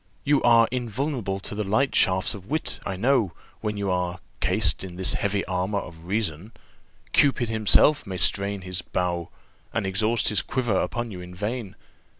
You are invulnerable to the light shafts of wit, I know, when you are cased in this heavy armour of reason; Cupid himself may strain his bow, and exhaust his quiver upon you in vain.